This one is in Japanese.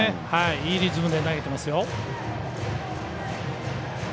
いいリズムで投げてますよ。